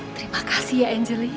terima kasih ya angel